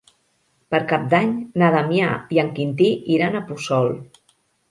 Per Cap d'Any na Damià i en Quintí iran a Puçol.